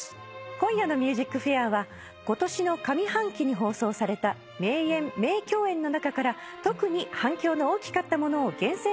今夜の『ＭＵＳＩＣＦＡＩＲ』は今年の上半期に放送された名演名共演の中から特に反響の大きかったものを厳選してお送りします。